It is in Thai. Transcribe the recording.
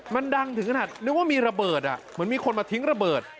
มันดังถึงขนาดนึกว่ามีระเบิดเหมือนมีคนมาทิ้งระเบิด